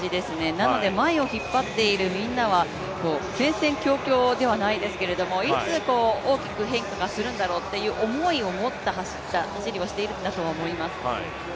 なので前を引っ張っているみんなは戦々恐々ではないですけどもいつ大きく変化するんだろうという思いを持った走りをしているんだと思います。